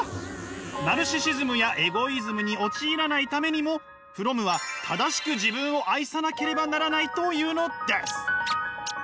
ナルシシズムやエゴイズムに陥らないためにもフロムは「正しく自分を愛さなければならない」というのです。